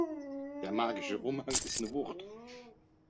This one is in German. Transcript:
Der magische Umhang ist eine Wucht!